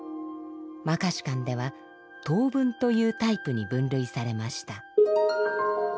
「摩訶止観」では「等分」というタイプに分類されました。